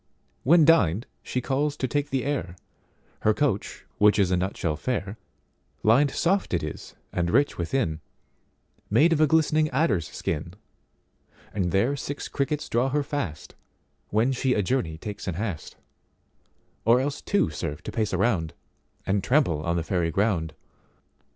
When dined she calls, to take the air, Her coach which is a nutshell fair; Lined soft it is and rich within, Made of a glistening adders skin, And there six crickets draw her fast, When she a journey takes in haste:Or else two serve to pace a round, And trample on the Fairy ground.